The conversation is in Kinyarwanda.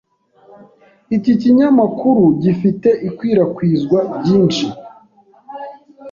Iki kinyamakuru gifite ikwirakwizwa ryinshi.